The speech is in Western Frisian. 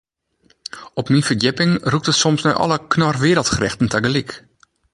Op myn ferdjipping rûkt it soms nei alle Knorr Wereldgerechten tagelyk.